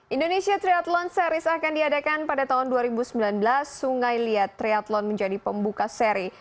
indonesia triathlon series akan diadakan pada tahun dua ribu sembilan belas sungai liat triathlon menjadi pembuka seri